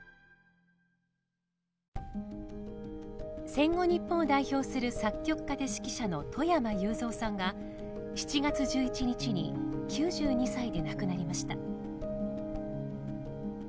戦後日本を代表する作曲家で指揮者の外山雄三さんが７月１１日に９２歳で亡くなりました。